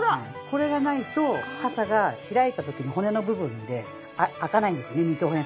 これがないと傘が開いた時に骨の部分で開かないんです二等辺